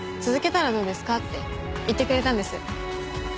続けたらどうですか？って言ってくれたんです。